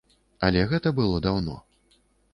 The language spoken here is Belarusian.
Але гэта было даўно.